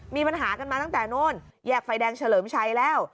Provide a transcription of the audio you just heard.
มีปัญหากันมาตั้งแต่นู้นแยกไฟแดงเฉลิมชัยแล้ว